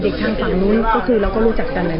ทางฝั่งนู้นก็คือเราก็รู้จักกัน